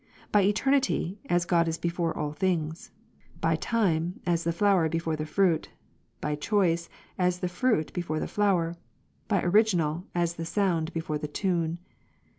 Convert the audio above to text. By eternity, as God is before all things ; by time, as the flower before the fruit; by choice, as the fruit before the flower; by original, as the sound before the tune.